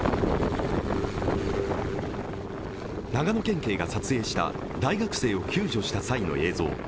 長野県警が撮影した大学生を救助した際の映像。